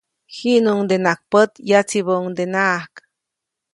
Jiʼnuŋdenaʼajk pät, yatsibäʼuŋdenaʼajk.